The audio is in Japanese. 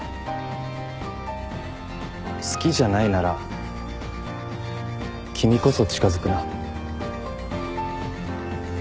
好きじゃないなら君こそ近づくな。